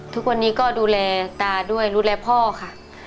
ทุกวันนี้ก็ดูแลตาด้วยดูแลพ่อค่ะ